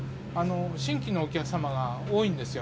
新規のお客様が多いんですよ。